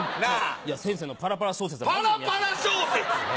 いや先生のパラパラ小説は。